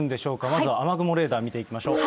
まずは雨雲レーダー見ていきましょう。